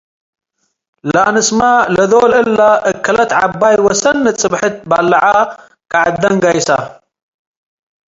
ለአንስመ ለዶል እለ እከለት ዐባይ ወሰኒ ጽብሕት በልዐ ከዐደን ገይሰ ።